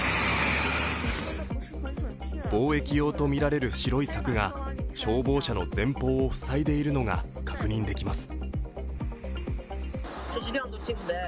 防疫用とみられる白い柵が消防車の前方を塞いでいるのが確認できます。